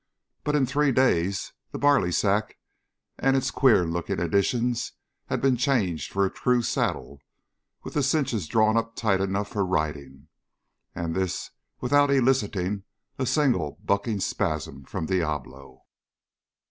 But in three days the barley sack and its queer looking additions had been changed for a true saddle with the cinches drawn up tight enough for riding. And this without eliciting a single bucking spasm from Diablo!